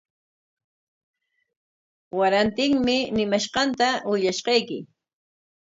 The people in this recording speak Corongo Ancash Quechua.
Warantinmi ñimanqanta willashqayki.